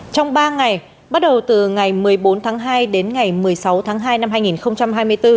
trong ba ngày bắt đầu từ ngày một mươi bốn tháng hai đến ngày một mươi sáu tháng hai năm hai nghìn hai mươi bốn